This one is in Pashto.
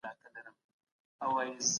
هیڅ شی د تل لپاره بد نه پاتې کېږي.